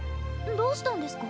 どうしたんですか？